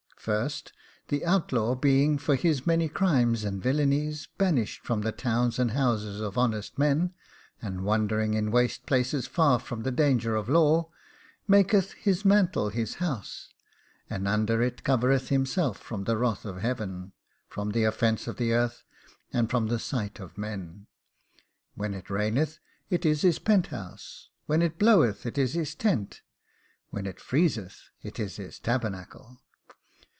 First, the outlaw being, for his many crimes and villanies, banished from the towns and houses of honest men, and wandering in waste places, far from danger of law, maketh his mantle his house, and under it covereth himself from the wrath of Heaven, from the offence of the earth, and from the sight of men. When it raineth, it is his penthouse; when it bloweth, it is his tent; when it freezeth, it is his tabernacle.